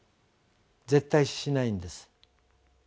絶対視しないんです。